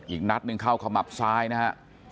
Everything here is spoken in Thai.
อีกนัดหนึ่งเข้าขมับซ้ายนะฮะ